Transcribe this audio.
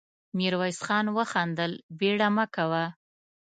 ميرويس خان وخندل: بېړه مه کوه.